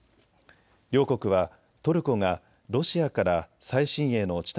両国はトルコがロシアから最新鋭の地